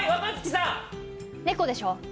猫でしょ？